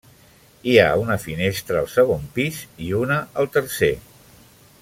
Hi ha una finestra al segon pis i una al tercer.